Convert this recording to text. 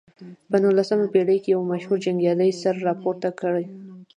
په نولسمه پېړۍ کې یو مشهور جنګیالي سر راپورته کړ.